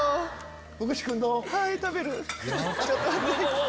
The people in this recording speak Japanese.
福士君どう？